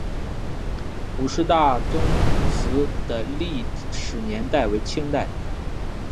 伍氏大宗祠的历史年代为清代。